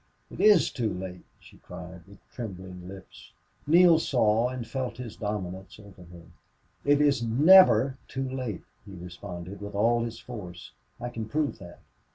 "It is too late!" she cried, with trembling lips. Neale saw and felt his dominance over her. "It is NEVER too late!" he responded, with all his force. "I can prove that."